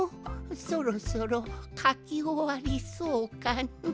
そろそろかきおわりそうかの？